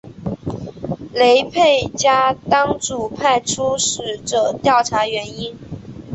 雷沛家当主派出使者调查原因。